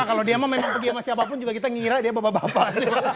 nah kalau dia mau memang pergi sama siapapun juga kita nyira dia bapak bapak